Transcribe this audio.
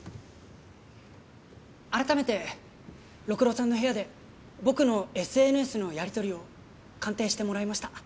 改めて六郎さんの部屋で僕のＳＮＳのやり取りを鑑定してもらいました。